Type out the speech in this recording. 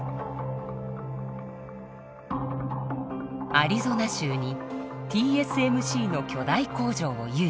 アリゾナ州にＴＳＭＣの巨大工場を誘致。